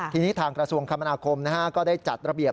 ทีนี้ทางกระทรวงคมนาคมก็ได้จัดระเบียบ